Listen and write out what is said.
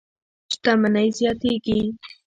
شتمنۍ زیاتېږي.